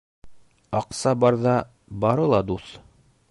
Аҡса барҙа бары ла дуҫ.